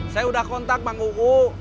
saya udah kontak bang uku